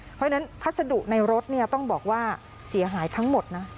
เพราะฉะนั้นพัสดุในรถต้องบอกว่าเสียหายทั้งหมดนะ